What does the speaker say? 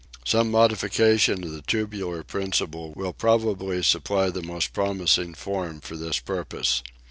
Some modification of the tubular principle will probably supply the most promising form for the purpose.